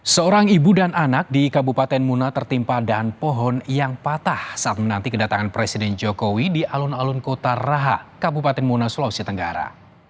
seorang ibu dan anak di kabupaten mona tertimpa dahan pohon yang patah saat menanti kedatangan presiden jokowi di alun alun kota raha kabupaten muna sulawesi tenggara